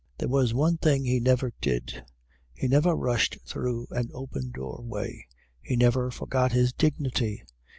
There was one thing he never did, he never rushed through an open doorway. He never forgot his dignity.